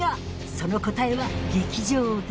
その答えは劇場で